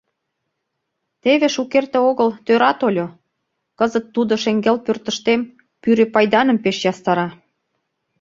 Теве шукерте огыл тӧра тольо, кызыт тудо шеҥгел пӧртыштем пӱрӧ пайданым пеш ястара.